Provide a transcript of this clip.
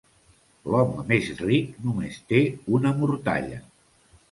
L'home més ric només té una mortalla.